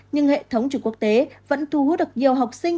nhưng hệ thống trường quốc tế vẫn thu hút được nhiều học sinh